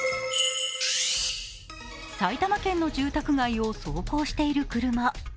埼玉県の住宅街を走行している車。